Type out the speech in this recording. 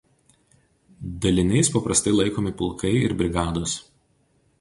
Daliniais paprastai laikomi pulkai ir brigados.